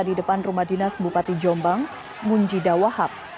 di depan rumah dinas bupati jombang munjidawahap